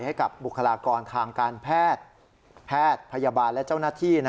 ให้กับบุคลากรทางการแพทย์แพทย์พยาบาลและเจ้าหน้าที่